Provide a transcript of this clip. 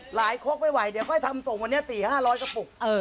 หลายโค้กไม่ไหวก็ทำส่งเป็น๔๕๐๐กระปุก